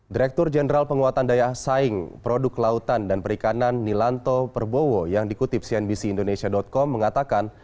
direktur jenderal penguatan daya saing produk kelautan dan perikanan nilanto perbowo yang dikutip cnbc indonesia com mengatakan